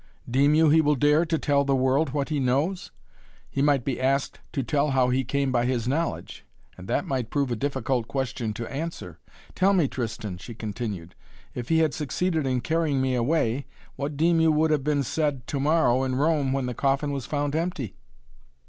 Deem you, he will dare to tell the world what he knows? He might be asked to tell how he came by his knowledge. And that might prove a difficult question to answer. Tell me, Tristan," she continued, "if he had succeeded in carrying me away, what deem you would have been said to morrow in Rome when the coffin was found empty?"